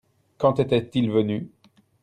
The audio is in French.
Quand était-il venu ?